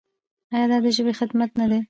آیا دا د ژبې خدمت نه دی؟